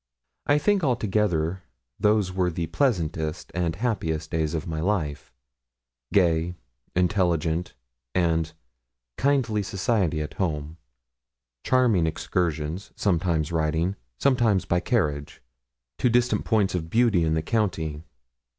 I think altogether those were the pleasantest and happiest days of my life: gay, intelligent, and kindly society at home; charming excursions sometimes riding sometimes by carriage to distant points of beauty in the county.